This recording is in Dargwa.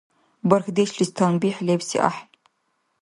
Бархьдешлис танбихӀ лебси ахӀен.